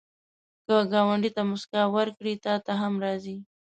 که ګاونډي ته مسکا ورکړې، تا ته هم راګرځي